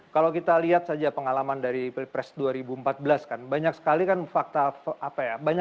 kalau kita lihat saja pengalaman dari pilkada dki dua ribu dua belas dan juga pilpres dua ribu empat belas kan banyak sekali data data yang tidak berdasar gitu ya